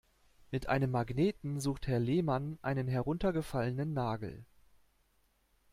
Mit einem Magneten sucht Herr Lehmann einen heruntergefallenen Nagel.